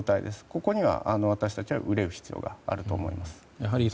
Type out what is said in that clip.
ここには私たちは憂う必要があると思います。